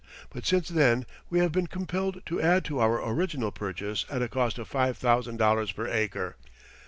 But since then we have been compelled to add to our original purchase at a cost of five thousand dollars per acre.